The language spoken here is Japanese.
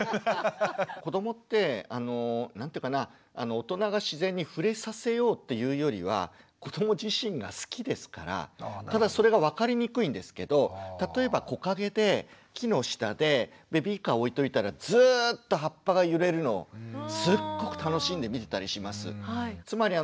子どもって何ていうかな大人が自然に触れさせようっていうよりは子ども自身が好きですからただそれが分かりにくいんですけど例えば木陰で木の下でベビーカーを置いといたらずっと葉っぱが揺れるのをすっごく楽しんで見てたりします。